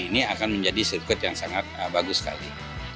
jadi ini akan menjadi sirkuit yang sangat bagus sekali